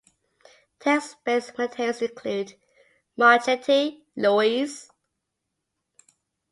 Text-based materials include: Marchetti, Louis.